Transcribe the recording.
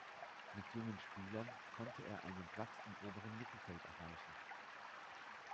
Mit jungen Spielern konnte er einen Platz im oberen Mittelfeld erreichen.